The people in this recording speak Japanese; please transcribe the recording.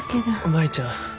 舞ちゃん